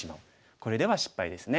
これでは失敗ですね。